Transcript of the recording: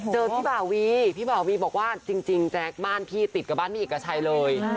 เจอพี่บ่าวีพี่บ่าวีบอกว่าจริงแจ๊คบ้านพี่ติดกับบ้านพี่เอกชัยเลย